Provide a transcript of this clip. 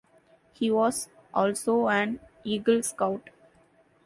He was also an Eagle Scout.